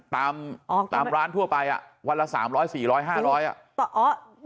ตามอ๋อตามร้านทั่วไปอ่ะวันละสามร้อยสี่ร้อยห้าร้อยอ่ะต่ออ๋อ